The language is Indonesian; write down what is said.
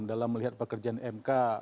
dalam melihat pekerjaan mk